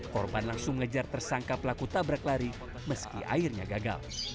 korban langsung mengejar tersangka pelaku tabrak lari meski airnya gagal